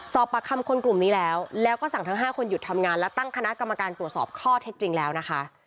สอบปากคำคนกลุ่มนี้แล้วแล้วก็สั่งทั้ง๕คนหยุดทำงานและตั้งคณะกรรมการตรวจสอบข้อเท็จจริงแล้วนะคะ